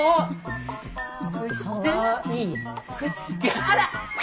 あら！